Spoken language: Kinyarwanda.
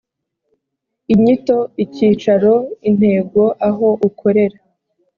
inyito icyicaro intego aho ukorera